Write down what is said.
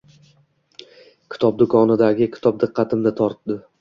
Kitob do’konidagi kitoblar diqqatimni tortdi.